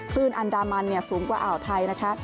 อันดามันสูงกว่าอ่าวไทยนะคะ